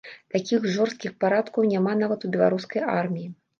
Такіх жорсткіх парадкаў няма нават у беларускай арміі!